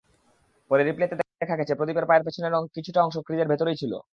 পরে রিপ্লেতে দেখা গেছে, প্রদীপের পায়ের পেছনের কিছুটা অংশ ক্রিজের ভেতরেই ছিল।